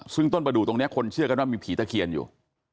ซึ่งต้นประดูกตรงนี้คนเชื่อกันว่ามีผีตะเคียนอยู่